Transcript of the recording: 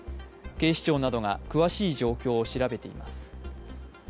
警視庁などが詳しい状況を調べています。